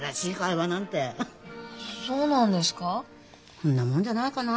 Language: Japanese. そんなもんじゃないかな。